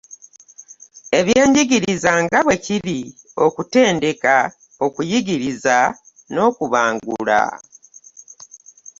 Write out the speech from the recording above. Ebyenjigirza nga bwe kiri okutendeka, okuyigiriza n'okubangula.